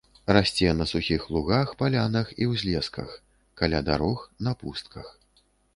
Расце на сухіх лугах, палянах і ўзлесках, каля дарог, на пустках.